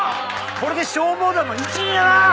これで消防団の一員やな！